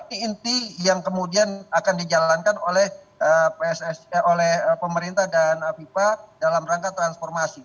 ini inti yang kemudian akan dijalankan oleh pemerintah dan fifa dalam rangka transformasi